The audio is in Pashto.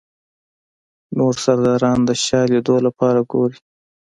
نور سرداران د شاه لیدلو لپاره ګوري.